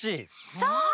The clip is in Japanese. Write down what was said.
そう！